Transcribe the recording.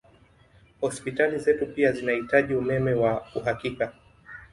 Hospitali zetu pia zinahitaji umeme wa uhakika